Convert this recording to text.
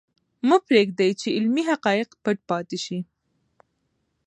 مه پرېږدئ چې علمي حقایق پټ پاتې شي.